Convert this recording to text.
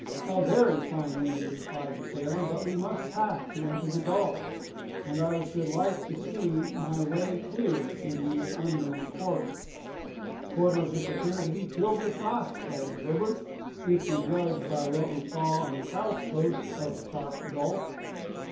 "A very fine wind," replied the sailor; "but we must tack to enter the gulf, and I should like to see my way clear in these unknown quarters." "Quarters which appear to be filled with rocks," added Herbert, "if we judge by what we saw on the south coast of Shark Gulf."